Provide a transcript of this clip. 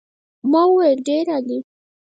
ما وویل ډېر عالي.